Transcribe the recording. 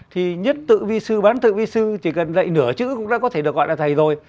thì nhất tự vi sư bán tự vi sư chỉ cần dạy nửa chữ cũng đã có thể được gọi là thầy rồi